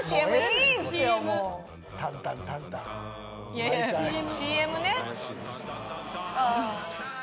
いやいやＣＭね。